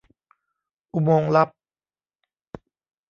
"อุโมงค์ลับ"